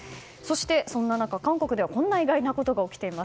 そんな中、韓国ではこんな意外なことが起きています。